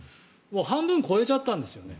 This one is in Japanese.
半分超えちゃったんですよね。